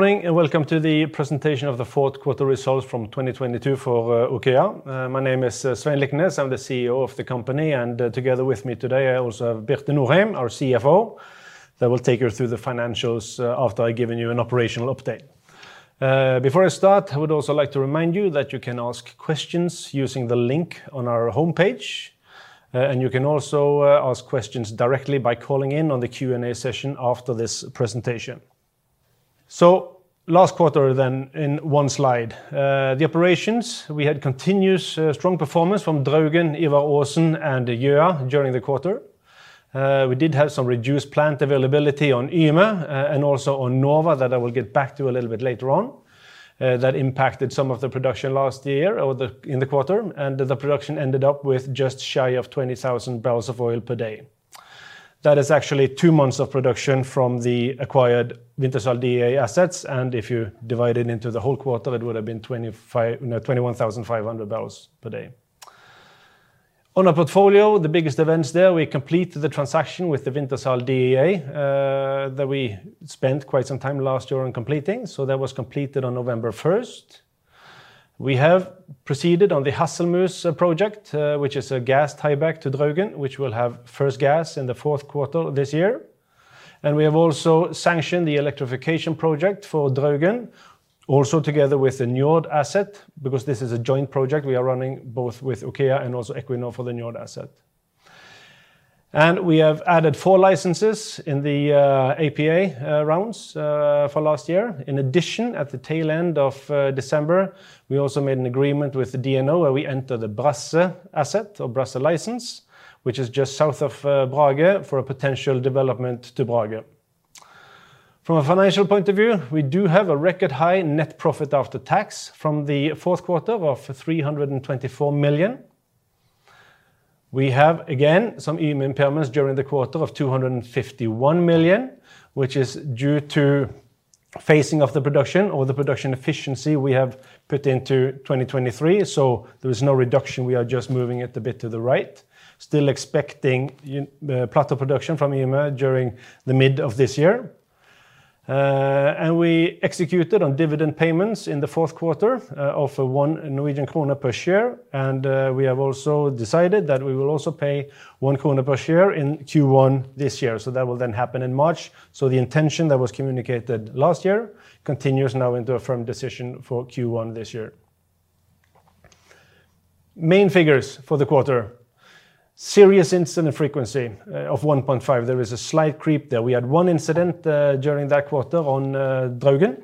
Morning, welcome to the presentation of the fourth quarter results from 2022 for OKEA. My name is Svein Liknes. I'm the CEO of the company, and together with me today, I also have Birte Norheim, our CFO, that will take you through the financials after I've given you an operational update. Before I start, I would also like to remind you that you can ask questions using the link on our homepage, and you can also ask questions directly by calling in on the Q&A session after this presentation. Last quarter in one slide. The operations, we had continuous strong performance from Draugen, Ivar Aasen, and Gjøa during the quarter. We did have some reduced plant availability on Yme, and also on Nova that I will get back to a little bit later on, that impacted some of the production last year or the, in the quarter and the production ended up with just shy of 20,000 barrels of oil per day. That is actually two months of production from the acquired Wintershall Dea assets, and if you divide it into the whole quarter, it would have been 25,000, no, 21,500 barrels per day. On our portfolio, the biggest events there, we completed the transaction with the Wintershall Dea, that we spent quite some time last year on completing. That was completed on November first. We have proceeded on the Hasselmus project, which is a gas tieback to Draugen, which will have first gas in the fourth quarter this year. We have also sanctioned the electrification project for Draugen, also together with the Njord asset because this is a joint project we are running both with OKEA and also Equinor for the Njord asset. We have added four licenses in the APA rounds for last year. In addition, at the tail end of December, we also made an agreement with DNO, where we enter the Brage asset or Brage license, which is just south of Brage for a potential development to Brage. From a financial point of view, we do have a record high net profit after tax from the fourth quarter of 324 million. We have again some Yme impairments during the quarter of 251 million, which is due to facing of the production or the production efficiency we have put into 2023. There is no reduction. We are just moving it a bit to the right. Still expecting Yme plateau production from Yme during the mid of this year. We executed on dividend payments in the fourth quarter of 1 Norwegian krone per share. We have also decided that we will also pay 1 krone per share in Q1 this year. That will then happen in March. The intention that was communicated last year continues now into a firm decision for Q1 this year. Main figures for the quarter. Serious incident frequency of 1.5. There is a slight creep there. We had one incident during that quarter on Draugen.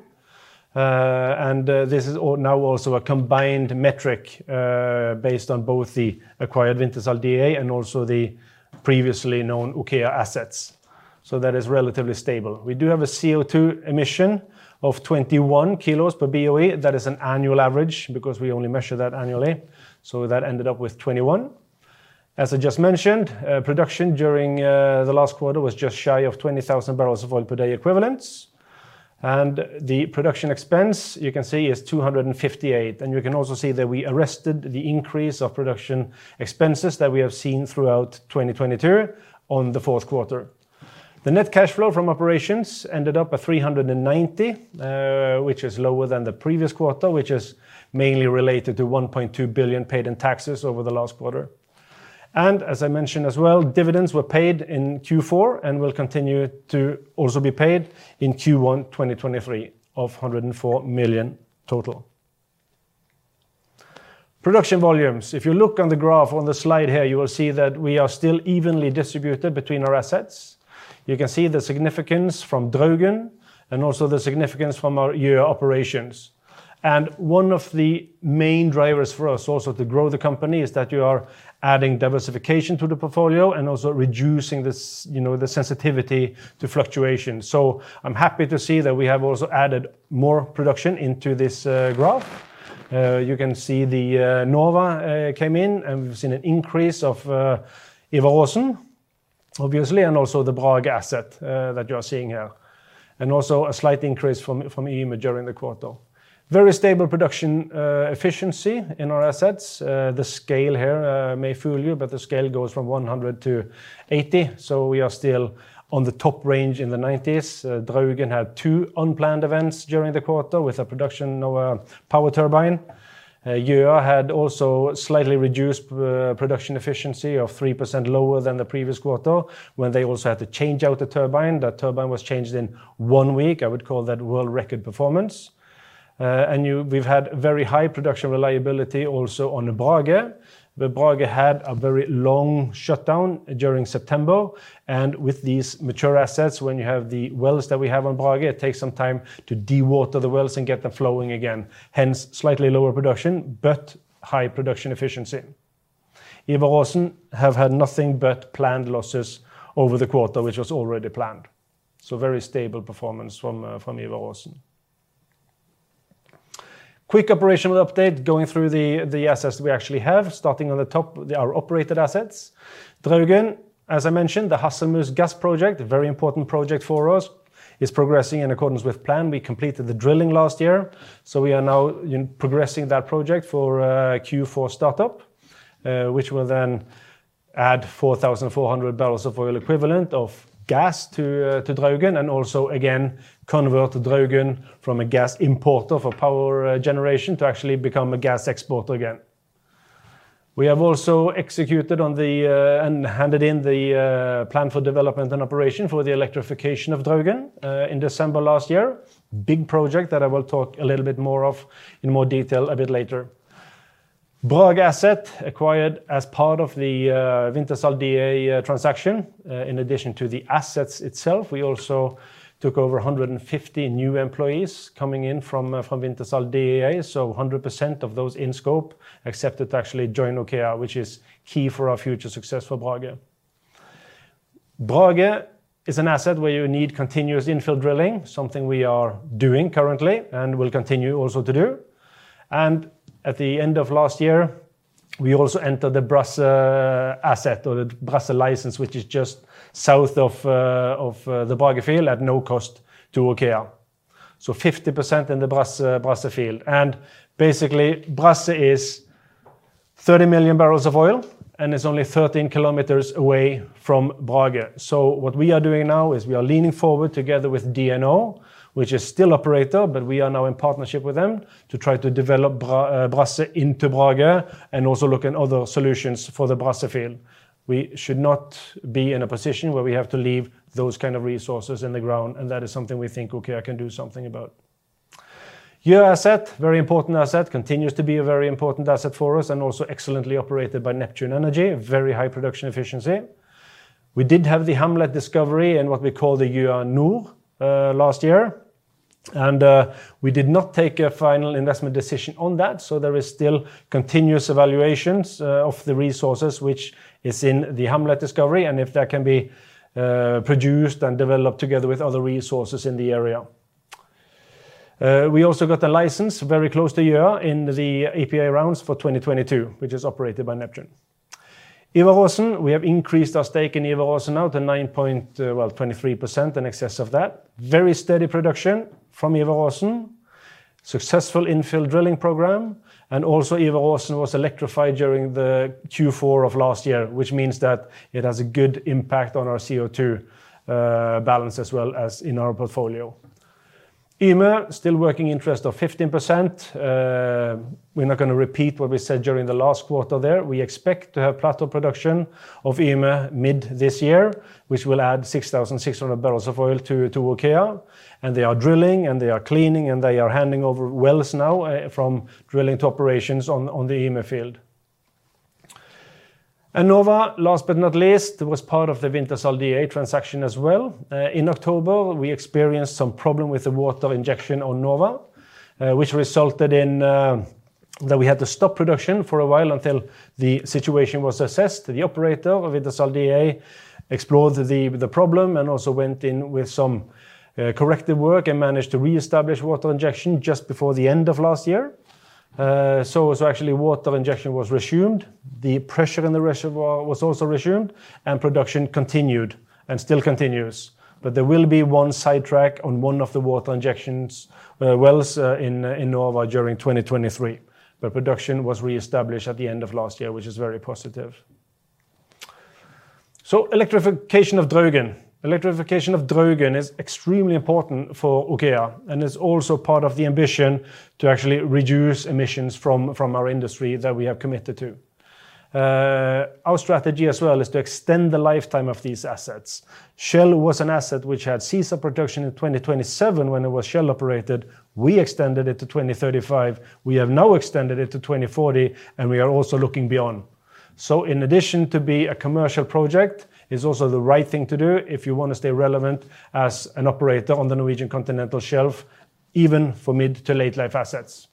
This is now also a combined metric based on both the acquired Wintershall Dea and also the previously known OKEA assets. That is relatively stable. We do have a CO₂ emission of 21 kilos per BOE. That is an annual average because we only measure that annually. That ended up with 21. As I just mentioned, production during the last quarter was just shy of 20,000 barrels of oil per day equivalents. The production expense you can see is 258. You can also see that we arrested the increase of production expenses that we have seen throughout 2022 on the fourth quarter. The net cash flow from operations ended up at 390, which is lower than the previous quarter, which is mainly related to 1.2 billion paid in taxes over the last quarter. As I mentioned as well, dividends were paid in Q4 and will continue to also be paid in Q1 2023 of 104 million total. Production volumes. If you look on the graph on the slide here, you will see that we are still evenly distributed between our assets. You can see the significance from Draugen and also the significance from our Gjøa operations. One of the main drivers for us also to grow the company is that you are adding diversification to the portfolio and also reducing the you know, the sensitivity to fluctuation. I'm happy to see that we have also added more production into this graph. You can see the Nova came in, and we've seen an increase of Ivar Aasen obviously, and also the Brage asset that you are seeing here, and also a slight increase from Yme during the quarter. Very stable production efficiency in our assets. The scale here may fool you, but the scale goes from 100 to 80, so we are still on the top range in the 90s. Draugen had two unplanned events during the quarter with a production of power turbine. Gjøa had also slightly reduced production efficiency of 3% lower than the previous quarter, when they also had to change out the turbine. That turbine was changed in 1 week. I would call that world record performance. We've had very high production reliability also on Brage, but Brage had a very long shutdown during September. With these mature assets, when you have the wells that we have on Brage, it takes some time to dewater the wells and get them flowing again. Hence, slightly lower production but high production efficiency. Ivar Aasen have had nothing but planned losses over the quarter, which was already planned. Very stable performance from Ivar Aasen. Quick operational update going through the assets we actually have, starting on the top are operated assets. Draugen, as I mentioned, the Hasselmus gas project, a very important project for us, is progressing in accordance with plan. We completed the drilling last year, we are now progressing that project for Q4 startup. Which will then add 4,400 barrels of oil equivalent of gas to Draugen and also again convert Draugen from a gas importer for power generation to actually become a gas exporter again. We have also executed on the and handed in the plan for development and operation for the electrification of Draugen in December last year. Big project that I will talk a little bit more of in more detail a bit later. Brage asset acquired as part of the Wintershall Dea transaction. In addition to the assets itself, we also took over 150 new employees coming in from Wintershall Dea. 100% of those in scope accepted to actually join OKEA which is key for our future success for Brage. Brage is an asset where you need continuous infill drilling, something we are doing currently and will continue also to do. At the end of last year, we also entered the Brage asset or the Brage license which is just south of the Brage field at no cost to OKEA. 50% in the Brage field. Basically, Brage is 30 million barrels of oil and is only 13 kilometers away from Brage. What we are doing now is we are leaning forward together with DNO which is still operator, but we are now in partnership with them to try to develop Brage into Brage and also look at other solutions for the Brage field. We should not be in a position where we have to leave those kind of resources in the ground, that is something we think OKEA can do something about. Ur asset, very important asset, continues to be a very important asset for us and also excellently operated by Neptune Energy, very high production efficiency. We did have the Hamlet discovery in what we call the Urd Nord last year. We did not take a final investment decision on that, so there is still continuous evaluations of the resources which is in the Hamlet discovery and if that can be produced and developed together with other resources in the area. We also got a license very close to Ur in the APA rounds for 2022 which is operated by Neptune. Ivar Aasen, we have increased our stake in Ivar Aasen now to 23% in excess of that. Very steady production from Ivar Aasen. Successful infill drilling program. Also Ivar Aasen was electrified during the Q4 of last year, which means that it has a good impact on our CO₂ balance as well as in our portfolio. Yme, still working interest of 15%. We're not gonna repeat what we said during the last quarter there. We expect to have plateau production of Yme mid this year, which will add 6,600 barrels of oil to OKEA. They are drilling, and they are cleaning, and they are handing over wells now from drilling to operations on the Yme field. Nova, last but not least, was part of the Wintershall Dea transaction as well. In October, we experienced some problem with the water injection on Nova, which resulted in that we had to stop production for a while until the situation was assessed. The operator of Wintershall Dea explored the problem and also went in with some corrective work and managed to reestablish water injection just before the end of last year. So actually water injection was resumed, the pressure in the reservoir was also resumed, and production continued and still continues. There will be one sidetrack on one of the water injections, wells, in Nova during 2023. Production was reestablished at the end of last year, which is very positive. Electrification of Draugen. Electrification of Draugen is extremely important for OKEA and is also part of the ambition to actually reduce emissions from our industry that we have committed to. Our strategy as well is to extend the lifetime of these assets. Shell was an asset which had cease of production in 2027 when it was Shell operated. We extended it to 2035. We have now extended it to 2040, and we are also looking beyond. In addition to be a commercial project, it's also the right thing to do if you wanna stay relevant as an operator on the Norwegian Continental Shelf, even for mid to late life assets.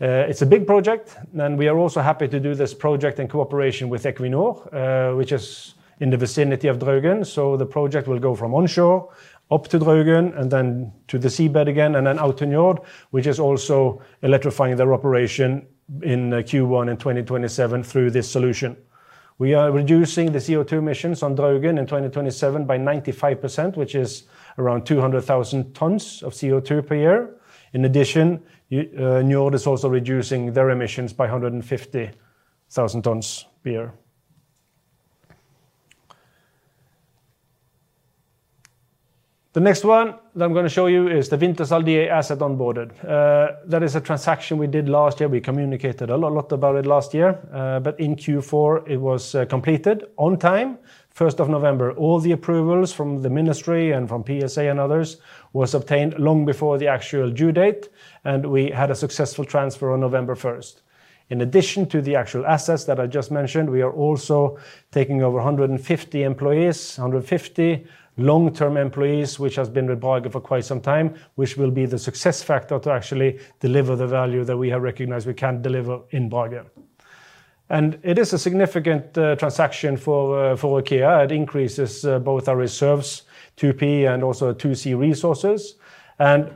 It's a big project, and we are also happy to do this project in cooperation with Equinor, which is in the vicinity of Draugen. The project will go from onshore up to Draugen and then to the seabed again and then out to Njord, which is also electrifying their operation in Q1 in 2027 through this solution. We are reducing the CO₂ emissions on Draugen in 2027 by 95%, which is around 200,000 tons of CO₂ per year. In addition, Njord is also reducing their emissions by 150,000 tons per year. The next one that I'm gonna show you is the Wintershall Dea asset onboarded. That is a transaction we did last year. We communicated a lot about it last year. But in Q4 it was completed on time, 1st of November. All the approvals from the ministry and from PSA and others was obtained long before the actual due date, and we had a successful transfer on November 1st. In addition to the actual assets that I just mentioned, we are also taking over 150 employees, 150 long-term employees which has been with Brage for quite some time, which will be the success factor to actually deliver the value that we have recognized we can deliver in Brage. It is a significant transaction for OKEA. It increases both our reserves, 2P and also 2C resources.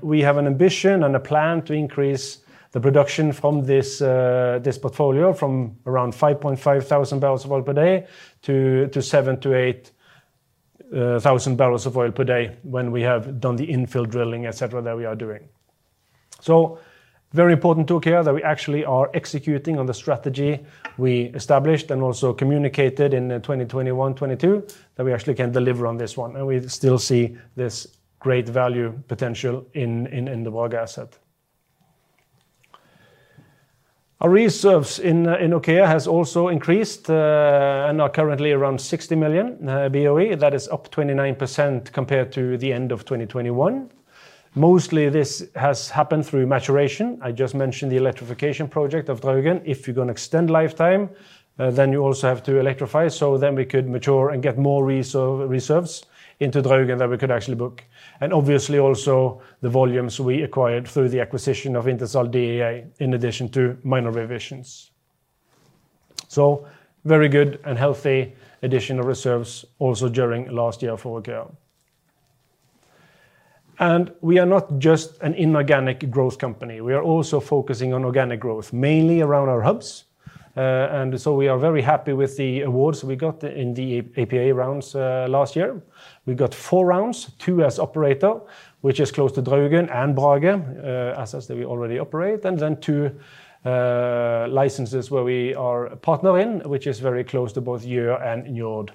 We have an ambition and a plan to increase the production from this portfolio from around 5.5 thousand barrels of oil per day to 7-8 thousand barrels of oil per day when we have done the infill drilling, etcetera, that we are doing. Very important tool here that we actually are executing on the strategy we established and also communicated in the 2021-2022 that we actually can deliver on this one, and we still see this great value potential in the Brage asset. Our reserves in OKEA has also increased, and are currently around 60 million BOE. That is up 29% compared to the end of 2021. Mostly this has happened through maturation. I just mentioned the electrification project of Draugen. If you're gonna extend lifetime, you also have to electrify, we could mature and get more reserves into Draugen that we could actually book. Obviously, also the volumes we acquired through the acquisition of Wintershall Dea in addition to minor revisions. Very good and healthy additional reserves also during last year for OKEA. We are not just an inorganic growth company. We are also focusing on organic growth, mainly around our hubs. We are very happy with the awards we got in the APA rounds last year. We got four rounds, two as operator, which is close to Draugen and Brage, assets that we already operate, and then two licenses where we are a partner in, which is very close to both Gjøa and Njord.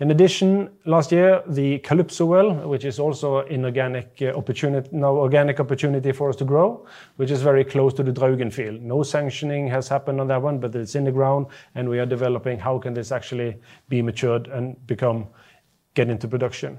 In addition, last year the Calypso well, which is also organic opportunity for us to grow, which is very close to the Draugen field. No sanctioning has happened on that one, but it's in the ground and we are developing how can this actually be matured and get into production.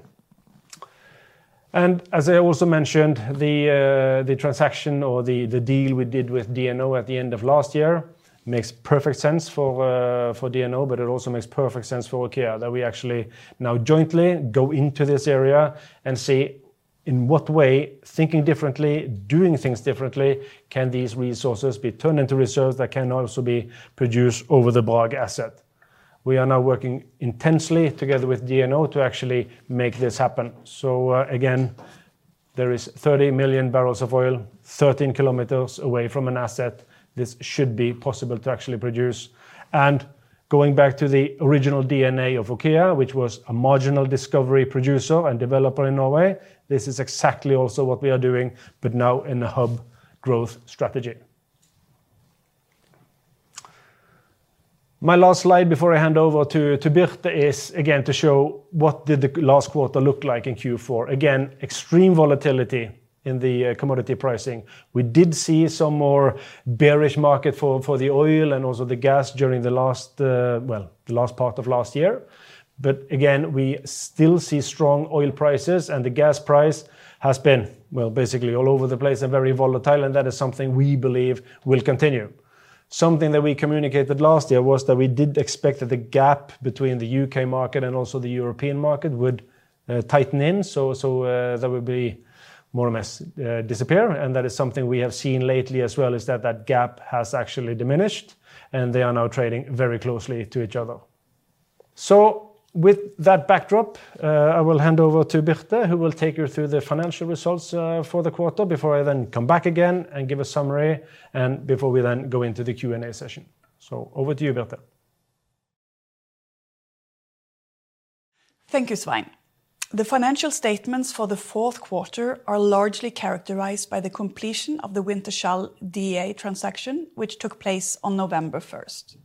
As I also mentioned, the transaction or the deal we did with DNO at the end of last year makes perfect sense for DNO, but it also makes perfect sense for OKEA that we actually now jointly go into this area and see in what way thinking differently, doing things differently can these resources be turned into reserves that can also be produced over the Brage asset. We are now working intensely together with DNO to actually make this happen. Again, there is 30 million barrels of oil, 13 km away from an asset. This should be possible to actually produce. Going back to the original DNA of OKEA, which was a marginal discovery producer and developer in Norway, this is exactly also what we are doing but now in the hub growth strategy. My last slide before I hand over to Birte is again to show what did the last quarter look like in Q4. Again, extreme volatility in the commodity pricing. We did see some more bearish market for the oil and also the gas during the last, well, the last part of last year. Again, we still see strong oil prices and the gas price has been, well, basically all over the place and very volatile, and that is something we believe will continue. Something that we communicated last year was that we did expect that the gap between the UK market and also the European market would tighten in. That would be more or less disappear. That is something we have seen lately as well, is that that gap has actually diminished and they are now trading very closely to each other. With that backdrop, I will hand over to Birte, who will take you through the financial results for the quarter before I then come back again and give a summary and before we then go into the Q&A session. Over to you, Birte. Thank you, Svein. The financial statements for the fourth quarter are largely characterized by the completion of the Wintershall Dea transaction, which took place on November 1st.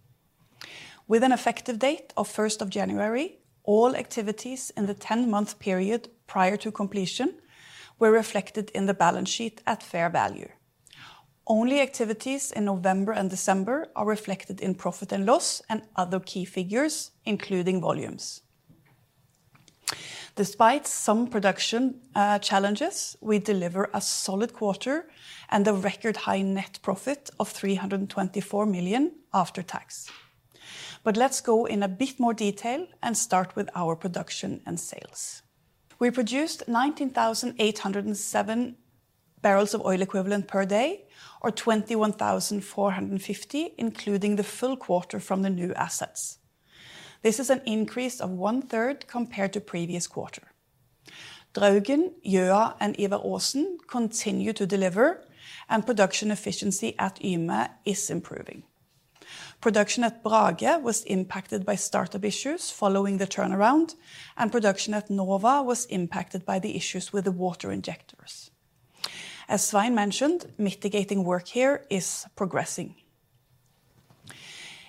With an effective date of January 1st, all activities in the 10-month period prior to completion were reflected in the balance sheet at fair value. Only activities in November and December are reflected in profit and loss and other key figures, including volumes. Despite some production challenges, we deliver a solid quarter and a record high net profit of 324 million after tax. Let's go in a bit more detail and start with our production and sales. We produced 19,807 barrels of oil equivalent per day or 21,450 including the full quarter from the new assets. This is an increase of one third compared to previous quarter. Draugen, Gjøa, and Ivar Aasen continue to deliver and production efficiency at Yme is improving. Production at Brage was impacted by startup issues following the turnaround, and production at Nova was impacted by the issues with the water injectors. As Svein mentioned, mitigating work here is progressing.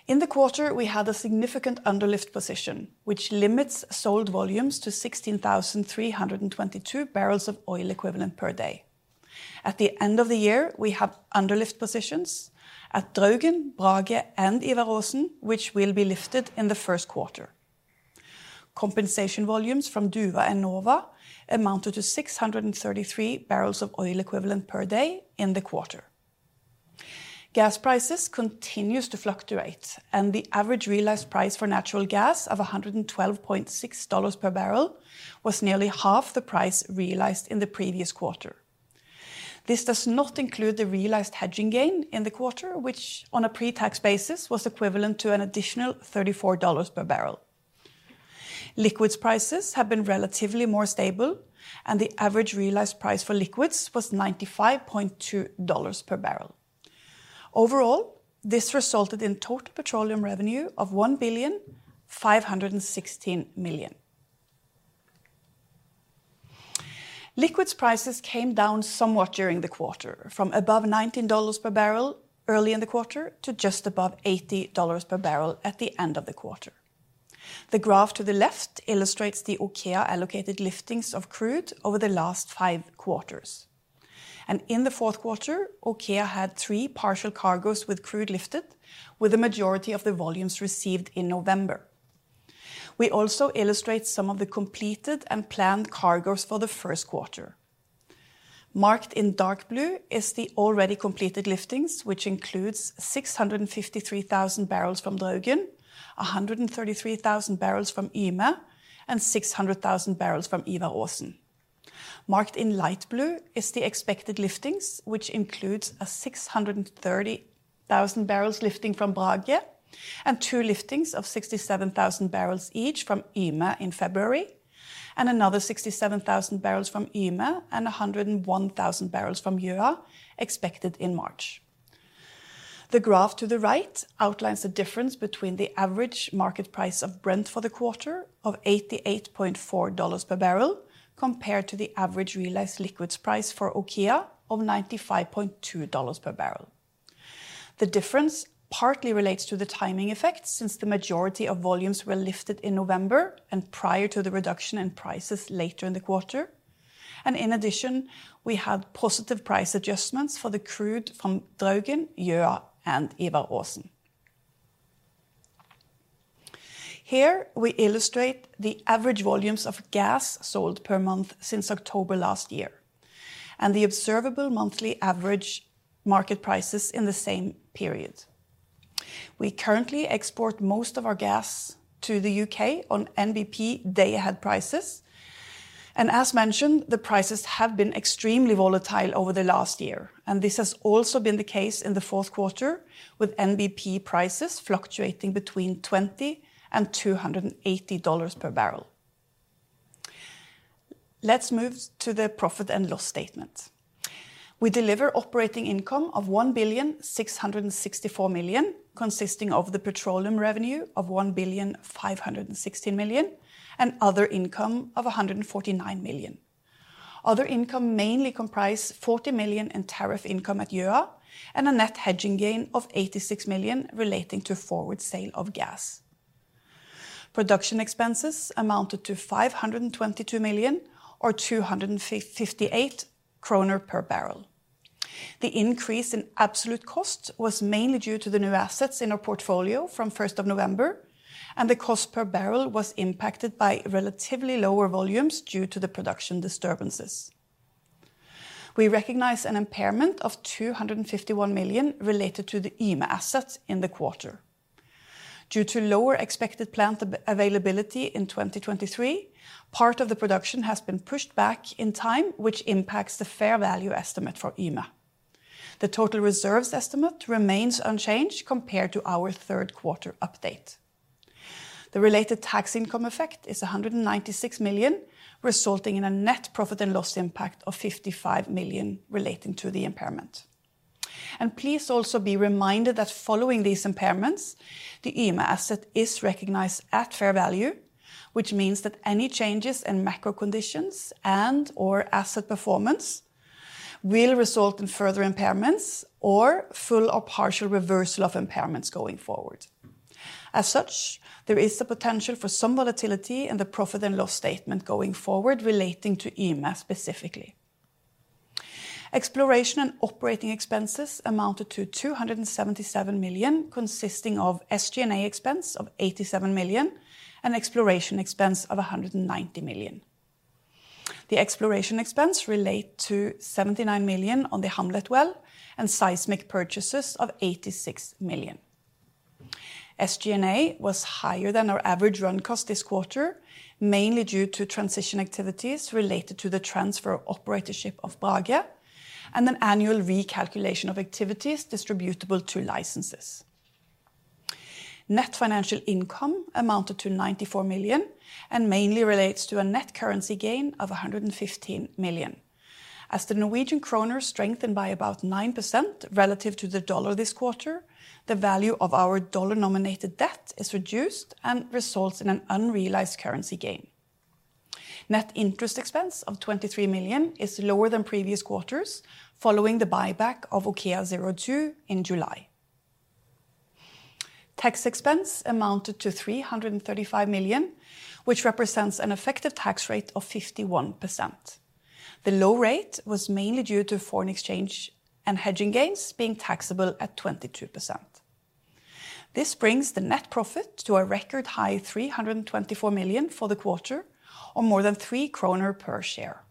In the quarter, we have a significant underlift position, which limits sold volumes to 16,322 barrels of oil equivalent per day. At the end of the year, we have underlift positions at Draugen, Brage, and Ivar Aasen, which will be lifted in the first quarter. Compensation volumes from Duva and Nova amounted to 633 barrels of oil equivalent per day in the quarter. Gas prices continues to fluctuate, and the average realized price for natural gas of $112.6 per barrel was nearly half the price realized in the previous quarter. This does not include the realized hedging gain in the quarter, which on a pre-tax basis was equivalent to an additional $34 per barrel. Liquids prices have been relatively more stable, and the average realized price for liquids was $95.2 per barrel. Overall, this resulted in total petroleum revenue of $1,516 million. Liquids prices came down somewhat during the quarter from above $19 per barrel early in the quarter to just above $80 per barrel at the end of the quarter. The graph to the left illustrates the Aker allocated liftings of crude over the last five quarters. In the fourth quarter, OKEA had three partial cargos with crude lifted, with the majority of the volumes received in November. We also illustrate some of the completed and planned cargos for the first quarter. Marked in dark blue is the already completed liftings, which includes 653,000 barrels from Draugen, 133,000 barrels from Yme, and 600,000 barrels from Ivar Aasen. Marked in light blue is the expected liftings, which includes a 630,000 barrels lifting from Brage, and two liftings of 67,000 barrels each from Yme in February, and another 67,000 barrels from Yme and 101,000 barrels from Gjøa expected in March. The graph to the right outlines the difference between the average market price of Brent for the quarter of $88.4 per barrel compared to the average realized liquids price for Aker of $95.2 per barrel. The difference partly relates to the timing effect since the majority of volumes were lifted in November and prior to the reduction in prices later in the quarter. In addition, we had positive price adjustments for the crude from Draugen, Gjøa, and Ivar Aasen. Here we illustrate the average volumes of gas sold per month since October last year, and the observable monthly average market prices in the same period. We currently export most of our gas to the U.K. on NBP day-ahead prices. As mentioned, the prices have been extremely volatile over the last year, and this has also been the case in the fourth quarter, with NBP prices fluctuating between $20 and $280 per barrel. Let's move to the profit and loss statement. We deliver operating income of $1,664 million, consisting of the petroleum revenue of $1,516 million and other income of $149 million. Other income mainly comprise $40 million in tariff income at Gjøa and a net hedging gain of $86 million relating to forward sale of gas. Production expenses amounted to $522 million or 258 kroner per barrel. The increase in absolute cost was mainly due to the new assets in our portfolio from 1st of November. The cost per barrel was impacted by relatively lower volumes due to the production disturbances. We recognize an impairment of 251 million related to the Yme assets in the quarter. Due to lower expected plant availability in 2023, part of the production has been pushed back in time, which impacts the fair value estimate for Yme. The total reserves estimate remains unchanged compared to our third quarter update. The related tax income effect is 196 million, resulting in a net profit and loss impact of 55 million relating to the impairment. Please also be reminded that following these impairments, the Yme asset is recognized at fair value, which means that any changes in macro conditions and/or asset performance will result in further impairments or full or partial reversal of impairments going forward. As such, there is the potential for some volatility in the profit and loss statement going forward relating to Yme specifically. Exploration and operating expenses amounted to 277 million, consisting of SG&A expense of 87 million and exploration expense of 190 million. The exploration expense relate to 79 million on the Hamlet well and seismic purchases of 86 million. SG&A was higher than our average run cost this quarter, mainly due to transition activities related to the transfer of operatorship of Brage and an annual recalculation of activities distributable to licenses. Net financial income amounted to 94 million and mainly relates to a net currency gain of 115 million. As the Norwegian kroner strengthened by about 9% relative to the dollar this quarter, the value of our dollar-nominated debt is reduced and results in an unrealized currency gain. Net interest expense of 23 million is lower than previous quarters following the buyback of OKEA02 in July. Tax expense amounted to 335 million, which represents an effective tax rate of 51%. The low rate was mainly due to foreign exchange and hedging gains being taxable at 22%. This brings the net profit to a record high 324 million for the quarter, or more than 3 kroner per share.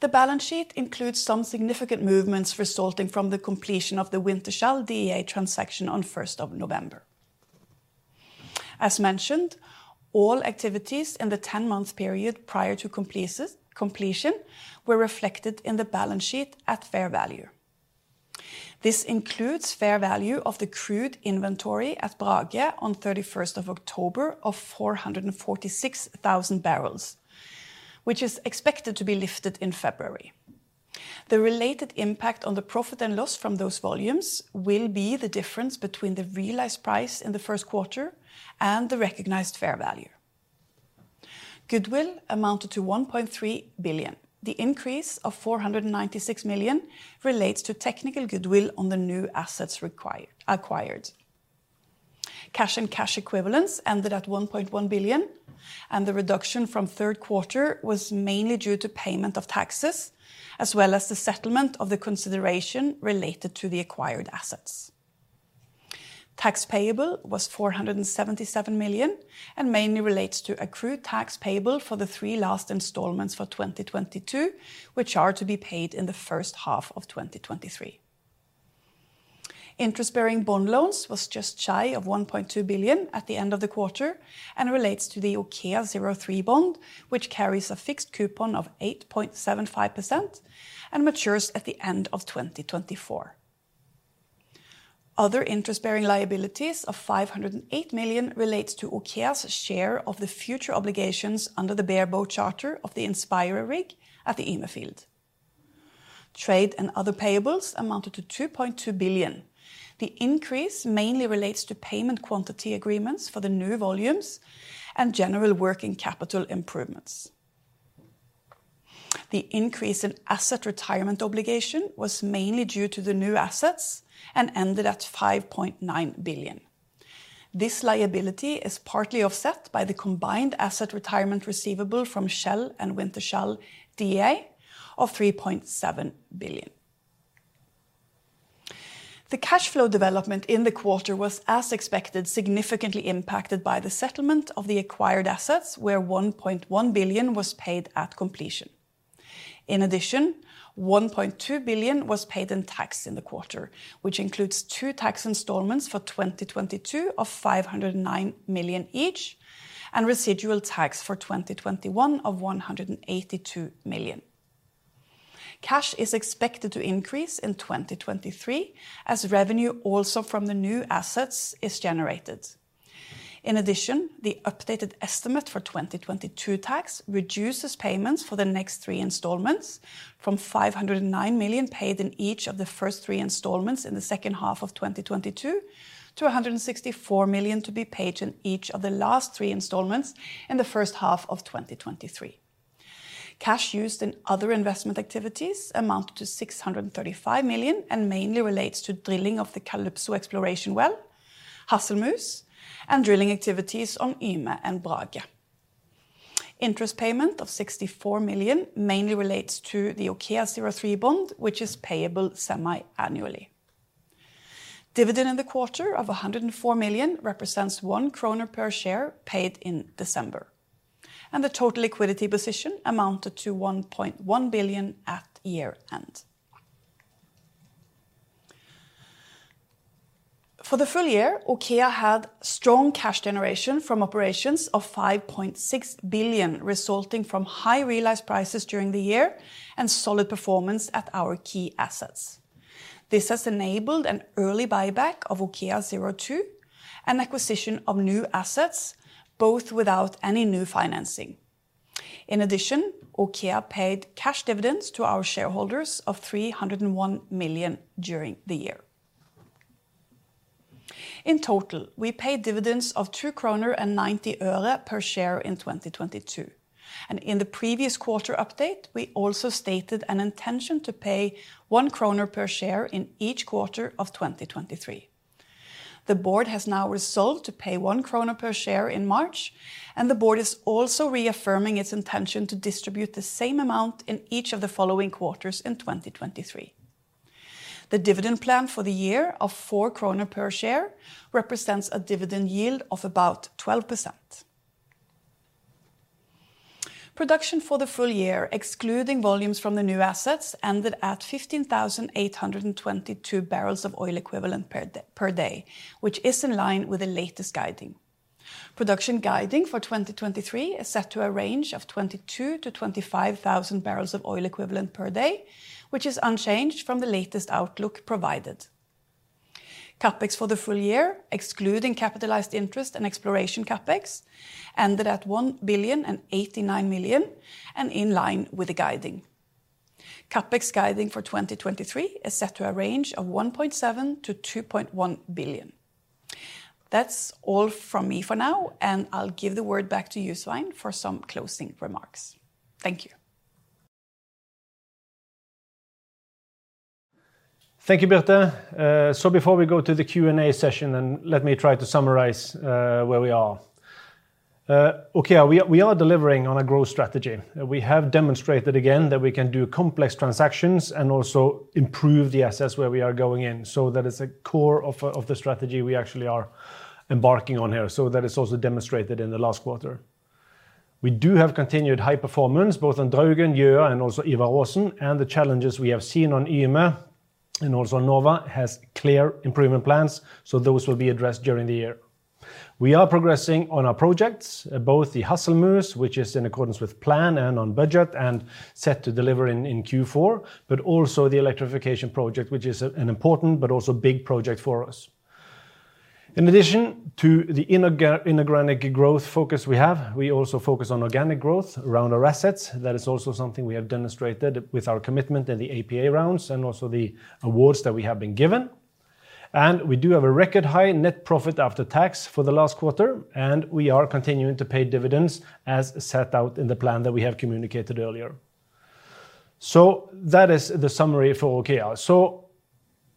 The balance sheet includes some significant movements resulting from the completion of the Wintershall Dea transaction on first of November. As mentioned, all activities in the 10-month period prior to completion were reflected in the balance sheet at fair value. This includes fair value of the crude inventory at Brage on 31st of October of 446,000 barrels, which is expected to be lifted in February. The related impact on the profit and loss from those volumes will be the difference between the realized price in the first quarter and the recognized fair value. Goodwill amounted to 1.3 billion. The increase of 496 million relates to technical goodwill on the new assets acquired. Cash and cash equivalents ended at 1.1 billion. The reduction from third quarter was mainly due to payment of taxes as well as the settlement of the consideration related to the acquired assets. Tax payable was 477 million and mainly relates to accrued tax payable for the 3 last installments for 2022, which are to be paid in the first half of 2023. Interest-bearing bond loans was just shy of 1.2 billion at the end of the quarter and relates to the OKEA03 bond, which carries a fixed coupon of 8.75% and matures at the end of 2024. Other interest-bearing liabilities of 508 million relates to OKEA's share of the future obligations under the bareboat charter of the Maersk Inspirer rig at the Yme field. Trade and other payables amounted to 2.2 billion. The increase mainly relates to payment quantity agreements for the new volumes and general working capital improvements. The increase in asset retirement obligation was mainly due to the new assets and ended at 5.9 billion. This liability is partly offset by the combined asset retirement receivable from Shell and Wintershall Dea of 3.7 billion. The cash flow development in the quarter was, as expected, significantly impacted by the settlement of the acquired assets, where 1.1 billion was paid at completion. In addition, 1.2 billion was paid in tax in the quarter, which includes 2 tax installments for 2022 of 509 million each and residual tax for 2021 of 182 million. Cash is expected to increase in 2023 as revenue also from the new assets is generated. In addition, the updated estimate for 2022 tax reduces payments for the next three installments from 509 million paid in each of the first three installments in the second half of 2022 to 164 million to be paid in each of the last three installments in the first half of 2023. Cash used in other investment activities amounted to 635 million and mainly relates to drilling of the Calypso exploration well, Hasselmus, and drilling activities on Yme and Brage. Interest payment of 64 million mainly relates to the Aker 03 bond, which is payable semiannually. Dividend in the quarter of 104 million represents 1 kroner per share paid in December. The total liquidity position amounted to 1.1 billion at year-end. For the full year, OKEA had strong cash generation from operations of 5.6 billion, resulting from high realized prices during the year and solid performance at our key assets. This has enabled an early buyback of OKEA02 and acquisition of new assets, both without any new financing. OKEA paid cash dividends to our shareholders of 301 million during the year. In total, we paid dividends of NOK 2.90 per share in 2022. In the previous quarter update, we also stated an intention to pay 1 kroner per share in each quarter of 2023. The board has now resolved to pay 1 kroner per share in March. The board is also reaffirming its intention to distribute the same amount in each of the following quarters in 2023. The dividend plan for the year of 4 kroner per share represents a dividend yield of about 12%. Production for the full year, excluding volumes from the new assets, ended at 15,822 barrels of oil equivalent per day, which is in line with the latest guiding. Production guiding for 2023 is set to a range of 22,000-25,000 barrels of oil equivalent per day, which is unchanged from the latest outlook provided. CapEx for the full year, excluding capitalized interest and exploration CapEx, ended at 1.089 billion and in line with the guiding. CapEx guiding for 2023 is set to a range of 1.7 billion-2.1 billion. That's all from me for now. I'll give the word back to Svein Liknes for some closing remarks. Thank you. Thank you, Birte. So before we go to the Q&A session, and let me try to summarize, where we are. Okay, we are delivering on a growth strategy. We have demonstrated again that we can do complex transactions and also improve the assets where we are going in. That is a core of the strategy we actually are embarking on here. That is also demonstrated in the last quarter. We do have continued high performance, both on Draugen, Yme, and also Ivar Aasen. The challenges we have seen on Yme and also Nova has clear improvement plans, so those will be addressed during the year. We are progressing on our projects, both the Hasselmus, which is in accordance with plan and on budget and set to deliver in Q4, but also the electrification project, which is an important but also big project for us. In addition to the inorganic growth focus we have, we also focus on organic growth around our assets. That is also something we have demonstrated with our commitment in the APA rounds and also the awards that we have been given. We do have a record high net profit after tax for the last quarter, and we are continuing to pay dividends as set out in the plan that we have communicated earlier. That is the summary for OKEA.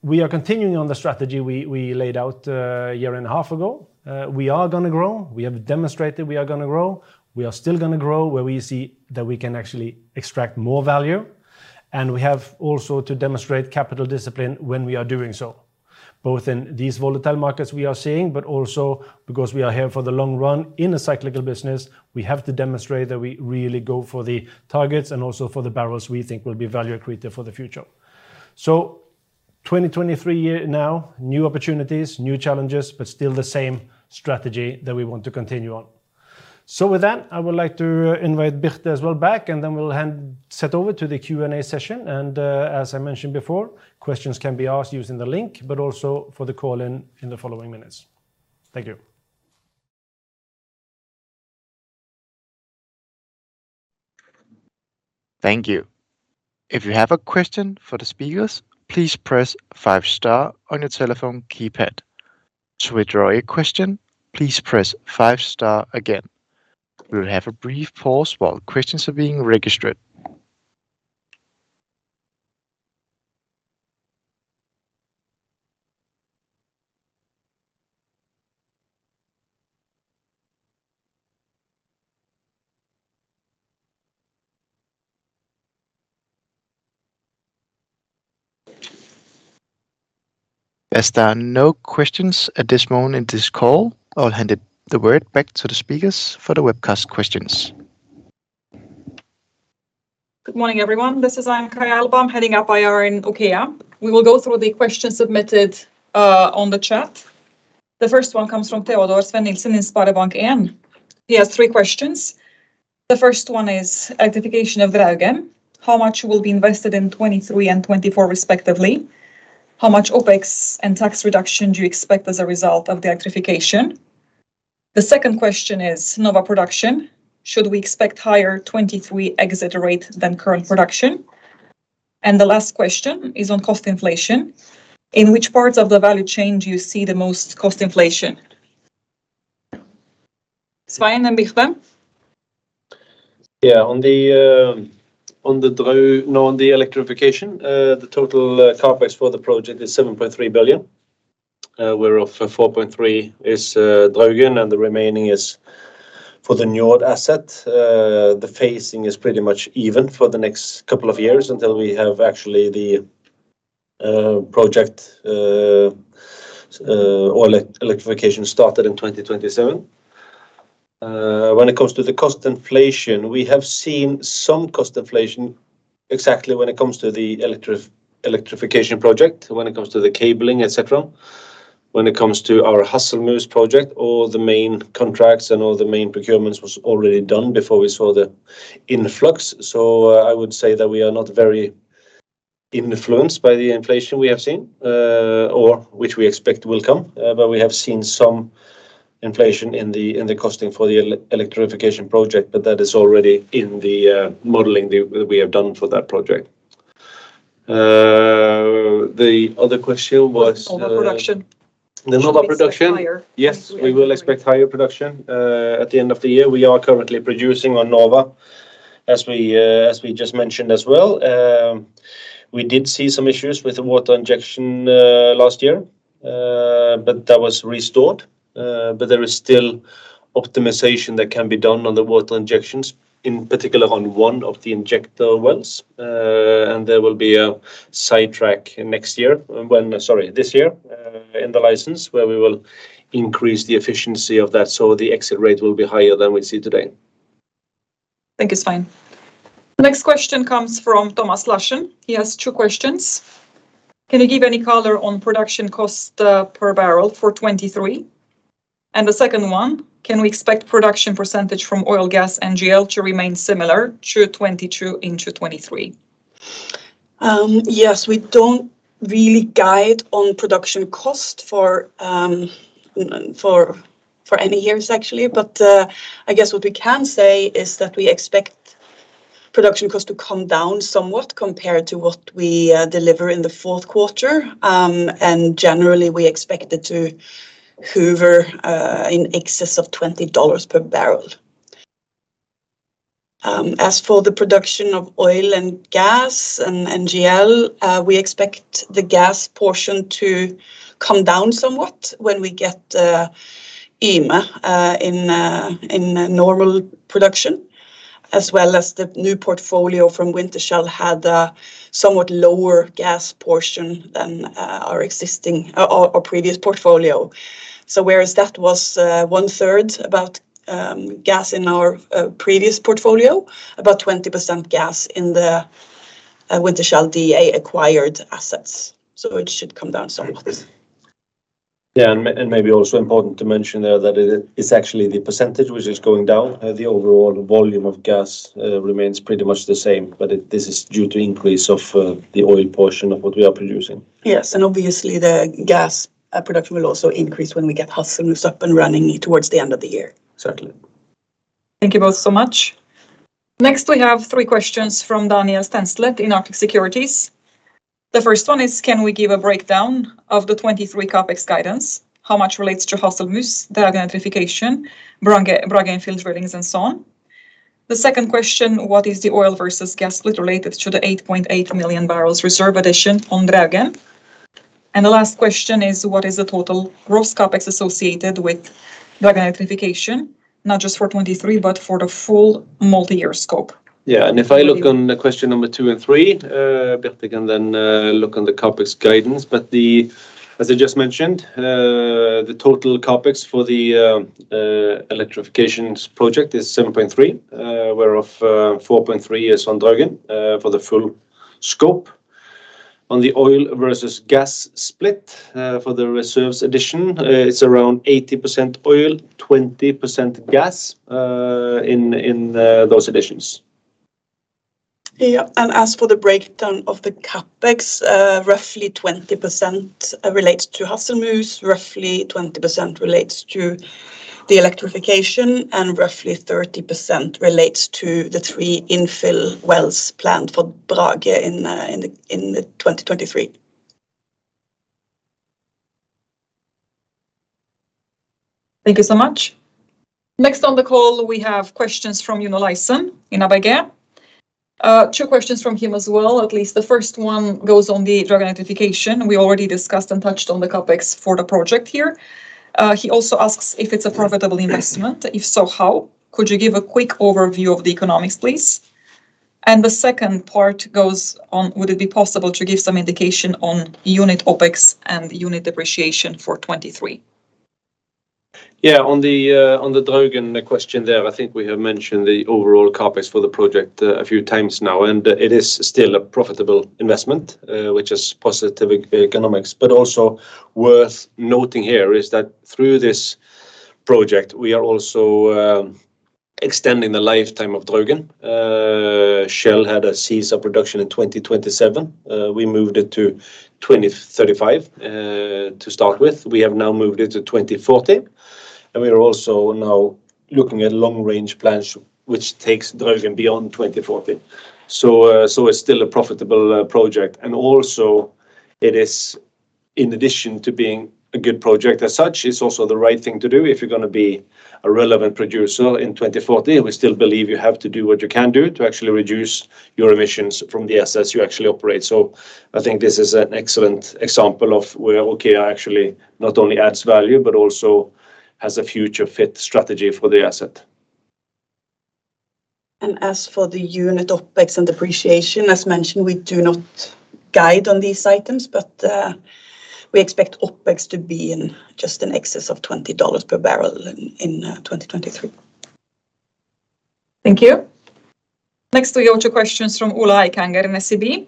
We are continuing on the strategy we laid out a year and a half ago. We are gonna grow. We have demonstrated we are gonna grow. We are still gonna grow where we see that we can actually extract more value, and we have also to demonstrate capital discipline when we are doing so. Both in these volatile markets we are seeing, but also because we are here for the long run in a cyclical business, we have to demonstrate that we really go for the targets and also for the barrels we think will be value accretive for the future. 2023 year now, new opportunities, new challenges, but still the same strategy that we want to continue on. With that, I would like to invite Birte as well back, and then we'll hand set over to the Q&A session. As I mentioned before, questions can be asked using the link, but also for the call in the following minutes. Thank you. Thank you. If you have a question for the speakers, please press star on your telephone keypad. To withdraw your question, please press star again. We'll have a brief pause while questions are being registered. As there are no questions at this moment in this call, I'll hand it the word back to the speakers for the webcast questions. Good morning, everyone. This is Anca Jalba heading up IR in OKEA. We will go through the questions submitted on the chat. The first one comes from Teodor Sveen-Nilsen in SpareBank 1. He has three questions. The first one is electrification of Draugen. How much will be invested in 23 and 24 respectively? How much OpEx and tax reduction do you expect as a result of the electrification? The second question is Nova production. Should we expect higher 23 exit rate than current production? The last question is on cost inflation. In which parts of the value chain do you see the most cost inflation? Svein and Birgitte. Yeah. On the electrification, the total CapEx for the project is 7.3 billion, whereof 4.3 billion is Draugen, the remaining is for the Njord asset. The phasing is pretty much even for the next couple of years until we have actually the project electrification started in 2027. When it comes to the cost inflation, we have seen some cost inflation exactly when it comes to the electrification project, when it comes to the cabling, etcetera. When it comes to our Hasselmus project, all the main contracts and all the main procurements was already done before we saw the influx. I would say that we are not very influenced by the inflation we have seen, or which we expect will come. We have seen some inflation in the costing for the electrification project, but that is already in the modeling we have done for that project. The other question was. On the production. The Nova production. Should we expect higher 2023- We will expect higher production at the end of the year. We are currently producing on Nova as we just mentioned as well. We did see some issues with water injection last year, but that was restored. There is still optimization that can be done on the water injections, in particular on one of the injector wells. There will be a sidetrack this year in the license where we will increase the efficiency of that, so the exit rate will be higher than we see today. Thank you, Svein. The next question comes from Tom Erik Kristiansen. He has two questions. Can you give any color on production cost per barrel for 2023? The second one, can we expect production % from oil, gas, NGL to remain similar through 2022 into 2023? Yes, we don't really guide on production cost for any years actually. I guess what we can say is that we expect production cost to come down somewhat compared to what we deliver in the fourth quarter. Generally, we expect it to hover in excess of $20 per barrel. As for the production of oil and gas and NGL, we expect the gas portion to come down somewhat when we get Yme in normal production, as well as the new portfolio from Wintershall had a somewhat lower gas portion than our existing or previous portfolio. Whereas that was one third about gas in our previous portfolio, about 20% gas in the Wintershall Dea acquired assets. It should come down somewhat. Yeah. Maybe also important to mention there that it's actually the percentage which is going down. The overall volume of gas remains pretty much the same, but this is due to increase of the oil portion of what we are producing. Yes. Obviously the gas production will also increase when we get Hasselmus up and running towards the end of the year. Certainly. Thank you both so much. Next, we have three questions from Daniel Stenslet in Arctic Securities. The first one is: Can we give a breakdown of the 2023 CapEx guidance? How much relates to Hasselmus, the identification, Brage infill drillings, and so on? The second question: What is the oil versus gas split related to the 8.8 million barrels reserve addition on Draugen? The last question is: What is the total gross CapEx associated with Draugen electrification, not just for 2023, but for the full multi-year scope? Yeah. If I look on the question number two and three, Birte can then look on the CapEx guidance. As I just mentioned, the total CapEx for the electrifications project is 7.3, whereof 4.3 is on Draugen for the full scope. On the oil versus gas split for the reserves addition, it's around 80% oil, 20% gas in those additions. Yeah. As for the breakdown of the CapEx, roughly 20% relates to Hasselmus, roughly 20% relates to the electrification, and roughly 30% relates to the three infill wells planned for Brage in the 2023. Thank you so much. Next on the call, we have questions from John Olaisen in ABG. Two questions from him as well, at least. The first one goes on the Draugen electrification. We already discussed and touched on the CapEx for the project here. He also asks if it's a profitable investment. If so, how? Could you give a quick overview of the economics, please? The second part goes on, would it be possible to give some indication on unit OpEx and unit depreciation for 23? On the Draugen question there, I think we have mentioned the overall CapEx for the project a few times now, and it is still a profitable investment, which is positive economics. Also worth noting here is that through this project, we are also extending the lifetime of Draugen. Shell had a cease of production in 2027. We moved it to 2035 to start with. We have now moved it to 2040, and we are also now looking at long range plans which takes Draugen beyond 2040. It's still a profitable project. Also it is, in addition to being a good project as such, it's also the right thing to do if you're gonna be a relevant producer in 2040. We still believe you have to do what you can do to actually reduce your emissions from the assets you actually operate. I think this is an excellent example of where OKEA actually not only adds value, but also has a future fit strategy for the asset. As for the unit OpEx and depreciation, as mentioned, we do not guide on these items, but, we expect OpEx to be in just in excess of $20 per barrel in 2023. Thank you. Next, we have two questions from Ola Eikanger in SEB.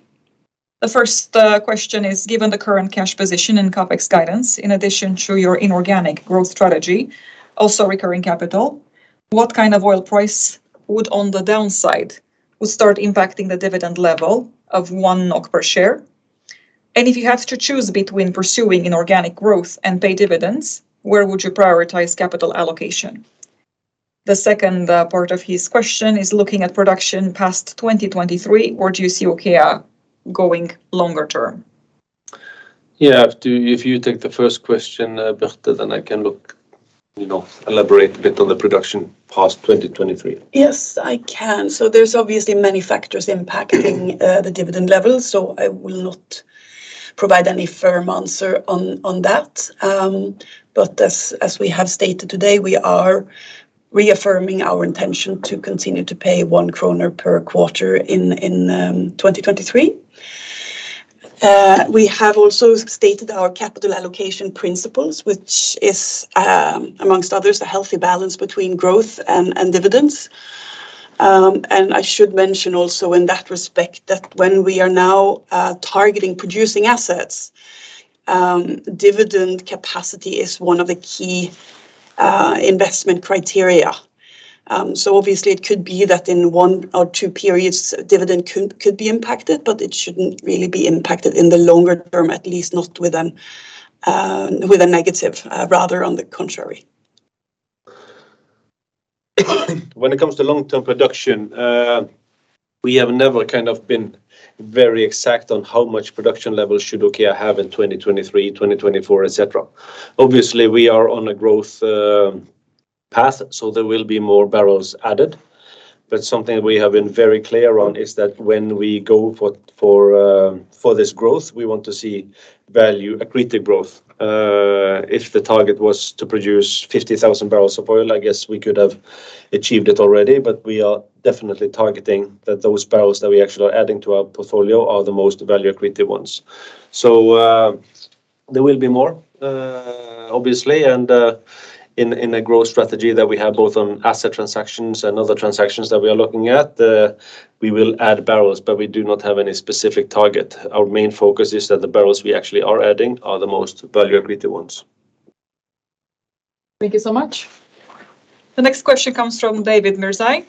The first question is: Given the current cash position in CapEx guidance, in addition to your inorganic growth strategy, also recurring capital, what kind of oil price would, on the downside, would start impacting the dividend level of 1 NOK per share? If you have to choose between pursuing inorganic growth and pay dividends, where would you prioritize capital allocation? The second part of his question is: Looking at production past 2023, where do you see OKEA going longer term? Yeah. If you take the first question, Birte, then I can, you know, elaborate a bit on the production past 2023. Yes, I can. There's obviously many factors impacting the dividend level, so I will not provide any firm answer on that. As we have stated today, we are reaffirming our intention to continue to pay 1 kroner per quarter in 2023. We have also stated our capital allocation principles, which is amongst others, a healthy balance between growth and dividends. I should mention also in that respect, that when we are now targeting producing assets, dividend capacity is one of the key investment criteria. Obviously it could be that in one or two periods dividend could be impacted, but it shouldn't really be impacted in the longer term, at least not with a negative rather on the contrary. When it comes to long-term production, we have never kind of been very exact on how much production levels should OKEA have in 2023, 2024, etcetera. Obviously, we are on a growth path. There will be more barrels added. Something we have been very clear on is that when we go for this growth, we want to see value accretive growth. If the target was to produce 50,000 barrels of oil, I guess we could have achieved it already. We are definitely targeting that those barrels that we actually are adding to our portfolio are the most value accretive ones. There will be more, obviously. In a growth strategy that we have both on asset transactions and other transactions that we are looking at, we will add barrels, but we do not have any specific target. Our main focus is that the barrels we actually are adding are the most value accretive ones. Thank you so much. The next question comes from David Mzüge.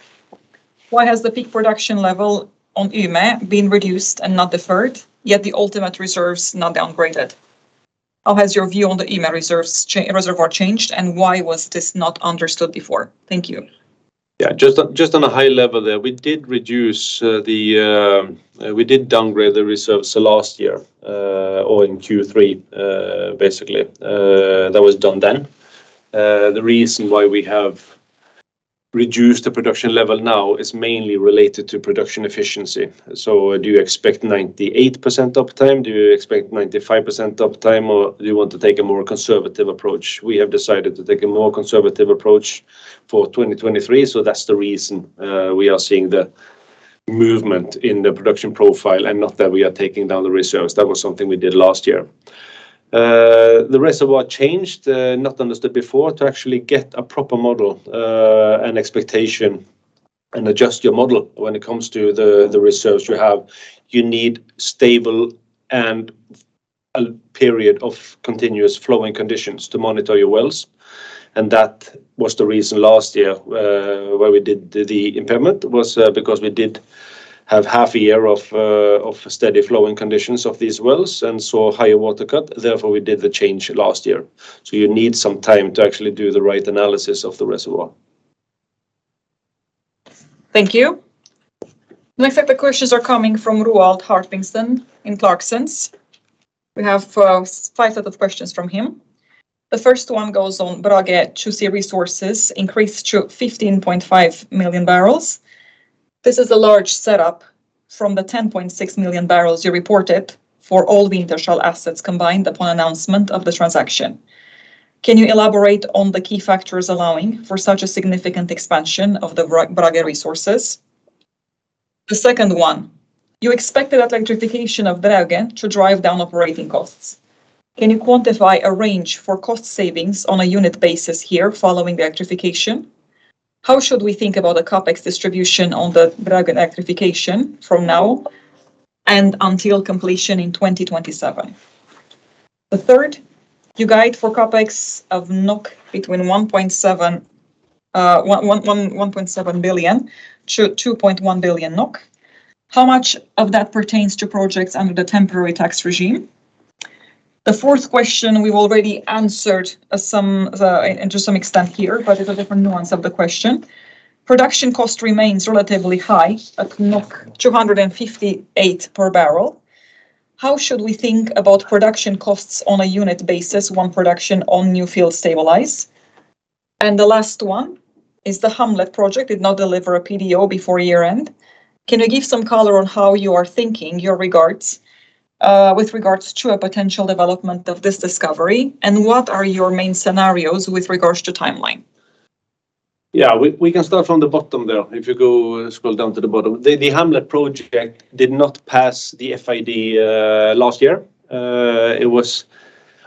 Why has the peak production level on Yme been reduced and not deferred, yet the ultimate reserve's not downgraded? How has your view on the Yme reserves reservoir changed, and why was this not understood before? Thank you. Just on a high level there, we did reduce the, we did downgrade the reserves last year, or in Q3, basically. That was done then. The reason why we have reduced the production level now is mainly related to production efficiency. Do you expect 98% uptime? Do you expect 95% uptime, or do you want to take a more conservative approach? We have decided to take a more conservative approach for 2023, that's the reason, we are seeing the movement in the production profile and not that we are taking down the reserves. That was something we did last year. The reservoir changed, not understood before to actually get a proper model, and expectation and adjust your model when it comes to the reserves you have. You need stable and a period of continuous flowing conditions to monitor your wells. That was the reason last year, why we did the impairment was, because we did have half a year of steady flowing conditions of these wells and saw higher water cut, therefore, we did the change last year. You need some time to actually do the right analysis of the reservoir. Thank you. Next up, the questions are coming from Roald Hartvigsen in Clarksons. We have five set of questions from him. The first one goes on Brage 2C resources increased to 15.5 million barrels. This is a large setup from the 10.6 million barrels you reported for all the initial assets combined upon announcement of the transaction. Can you elaborate on the key factors allowing for such a significant expansion of the Brage resources? The second one, you expected that electrification of Brage to drive down operating costs. Can you quantify a range for cost savings on a unit basis here following the electrification? How should we think about the CapEx distribution on the Brage electrification from now and until completion in 2027? The third, you guide for CapEx of 1.7 billion-2.1 billion NOK. How much of that pertains to projects under the temporary tax regime? The fourth question we've already answered, and to some extent here, but it's a different nuance of the question. Production cost remains relatively high at 258 per barrel. How should we think about production costs on a unit basis when production on new fields stabilize? The last one is the Hamlet project did not deliver a PDO before year-end. Can you give some color on how you are thinking your regards, with regards to a potential development of this discovery, and what are your main scenarios with regards to timeline? Yeah. We can start from the bottom there. If you go scroll down to the bottom. The Hamlet project did not pass the FID last year. It was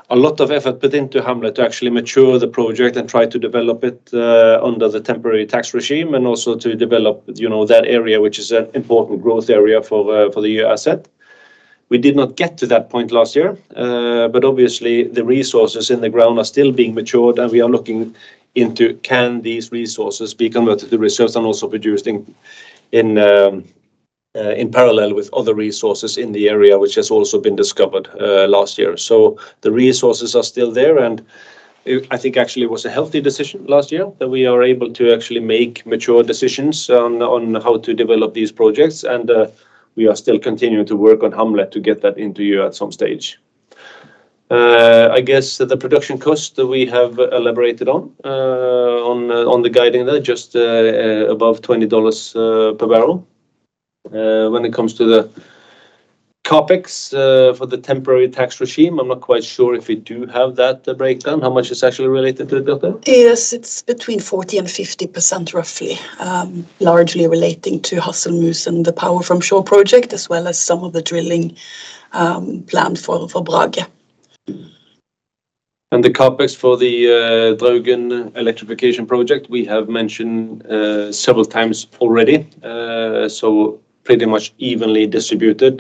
a lot of effort put into Hamlet to actually mature the project and try to develop it under the temporary tax regime and also to develop, you know, that area, which is an important growth area for the OKEA asset. We did not get to that point last year, but obviously the resources in the ground are still being matured, and we are looking into can these resources be converted to reserves and also produced in parallel with other resources in the area which has also been discovered last year. The resources are still there, and it, I think, actually was a healthy decision last year that we are able to actually make mature decisions on how to develop these projects. We are still continuing to work on Hamlet to get that into you at some stage. I guess the production cost we have elaborated on, on the guiding there just above $20 per barrel. When it comes to the CapEx for the temporary tax regime, I'm not quite sure if we do have that breakdown. How much is actually related to it, Birte? Yes. It's between 40% and 50% roughly, largely relating to Hasselmus and the power from shore project, as well as some of the drilling, planned for Brage. The CapEx for the Draugen electrification project, we have mentioned several times already. Pretty much evenly distributed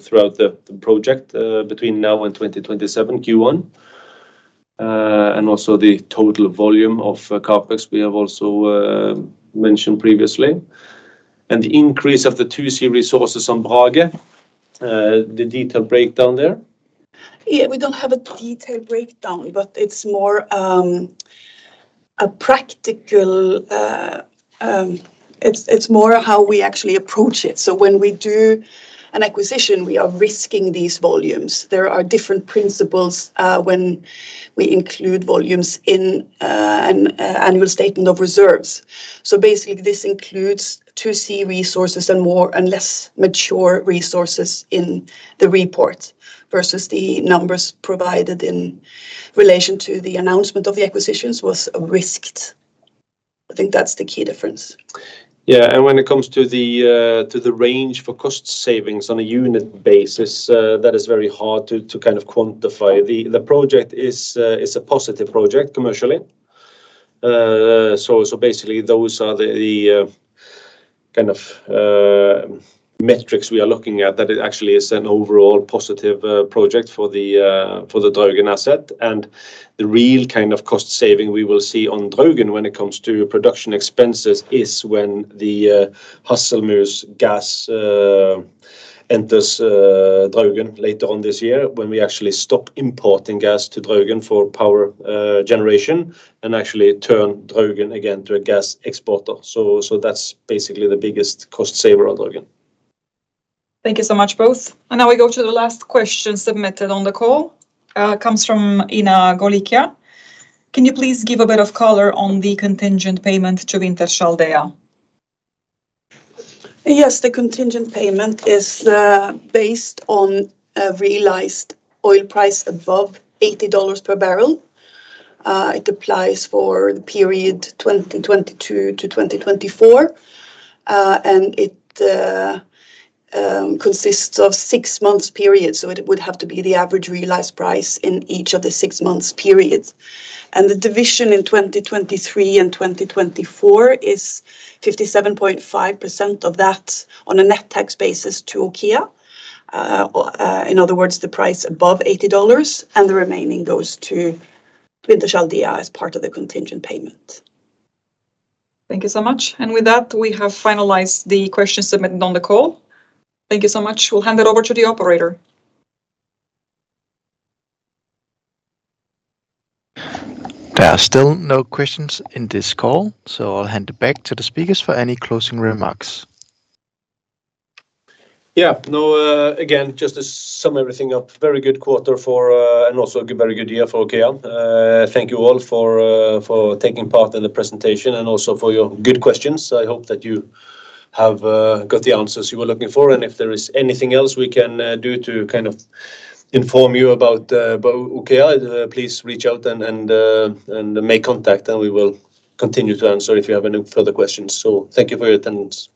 throughout the project between now and 2027 Q1. The total volume of CapEx we have also mentioned previously. The increase of the 2C resources on Brage, the detailed breakdown there? We don't have a detailed breakdown. It's more how we actually approach it. When we do an acquisition, we are risking these volumes. There are different principles when we include volumes in an annual statement of reserves. Basically, this includes 2C resources and more and less mature resources in the report versus the numbers provided in relation to the announcement of the acquisitions was risked. I think that's the key difference. Yeah. When it comes to the to the range for cost savings on a unit basis, that is very hard to to kind of quantify. The project is a positive project commercially. Basically those are the the kind of metrics we are looking at that it actually is an overall positive project for the for the Draugen asset. The real kind of cost saving we will see on Draugen when it comes to production expenses is when the Hasselmus's gas enters Draugen later on this year when we actually stop importing gas to Draugen for power generation and actually turn Draugen again to a gas exporter. That's basically the biggest cost saver on Draugen. Thank you so much both. Now we go to the last question submitted on the call, comes from Ina Golikya. Can you please give a bit of color on the contingent payment to Wintershall Dea? Yes. The contingent payment is based on a realized oil price above $80 per barrel. It applies for the period 2022 to 2024. It consists of six months periods, so it would have to be the average realized price in each of the six months periods. The division in 2023 and 2024 is 57.5% of that on a net tax basis to OKEA. In other words, the price above $80 and the remaining goes to Wintershall Dea as part of the contingent payment. Thank you so much. With that, we have finalized the questions submitted on the call. Thank you so much. We'll hand it over to the operator. There are still no questions in this call, so I'll hand it back to the speakers for any closing remarks. Yeah. No, again, just to sum everything up, very good quarter for, and also a very good year for OKEA. Thank you all for taking part in the presentation and also for your good questions. I hope that you have got the answers you were looking for. If there is anything else we can do to kind of inform you about OKEA, please reach out and make contact, and we will continue to answer if you have any further questions. Thank you for your attendance.